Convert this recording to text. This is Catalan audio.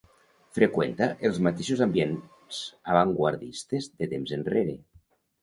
Freqüenta els mateixos ambients avantguardistes de temps enrere.